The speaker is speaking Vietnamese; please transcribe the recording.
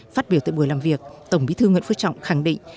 phát biểu tại bữa làm việc tổng bí thư nguyễn phước trọng khẳng định